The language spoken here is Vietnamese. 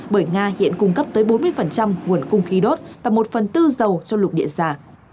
bởi nga hiện cung cấp tới bốn mươi nguồn cung khí đốt và một phần tư dầu cho lục địa già